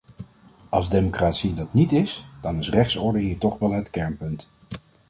Als democratie dat niet is, dan is rechtsorde hier toch wel het kernpunt.